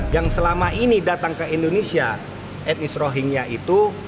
yang selama ini datang ke indonesia etnis rohingya itu